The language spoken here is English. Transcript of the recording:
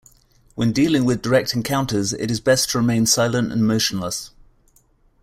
When dealing with direct encounters it is best to remain silent and motionless.